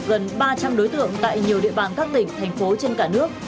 gần ba trăm linh đối tượng tại nhiều địa bàn các tỉnh thành phố trên cả nước